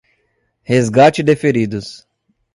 Resgate de Feridos